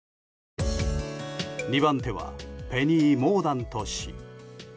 ２番手はペニー・モーダント氏。